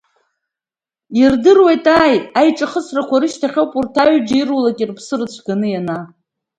Ирдыруеит ааи, аиҿахысрақәа рышьҭахь ауп урҭ аҩыџьа ирулак рыԥсы рыцәганы ианаа.